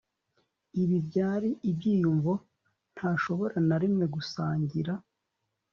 ibi byari ibyiyumvo ntashobora na rimwe gusangira